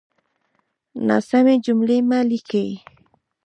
ناسمې جملې مه ليکئ!